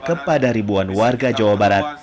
kepada ribuan warga jawa barat